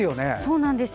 そうなんです。